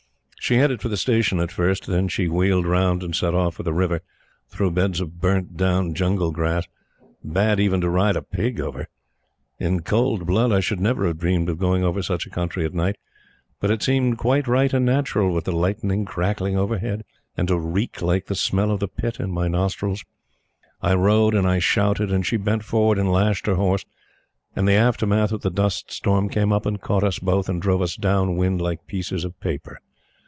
She headed for the Station at first. Then she wheeled round and set off for the river through beds of burnt down jungle grass, bad even to ride a pig over. In cold blood I should never have dreamed of going over such a country at night, but it seemed quite right and natural with the lightning crackling overhead, and a reek like the smell of the Pit in my nostrils. I rode and shouted, and she bent forward and lashed her horse, and the aftermath of the dust storm came up and caught us both, and drove us downwind like pieces of paper.